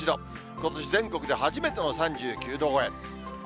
ことし全国で初めての３９度超え。